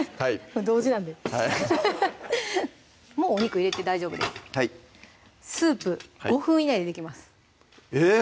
同時なんでもうお肉入れて大丈夫ですはいスープ５分以内でできますえっ